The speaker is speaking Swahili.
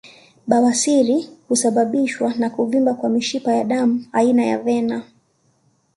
Bawasiri husababishwa na kuvimba kwa mishipa ya damu aina ya vena